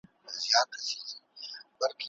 پرمختيا يوازې په اوږده موده کې نه راځي.